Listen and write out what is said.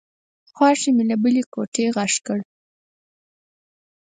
خواښې مې له بلې کوټې غږ کړ.